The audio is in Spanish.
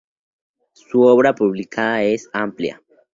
Su obra publicada es amplia.